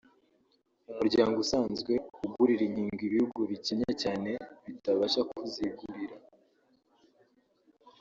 umuryango usanzwe ugurira inkingo ibihugu bikennye cyane bitabasha kuzigurira